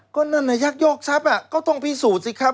ก็นั่นน่ะยักยอกทรัพย์ก็ต้องพิสูจน์สิครับ